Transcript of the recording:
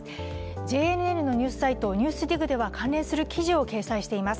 ＪＮＮのニュースサイト「ＮＥＷＳＤＩＧ」では関連する記事を掲載しています。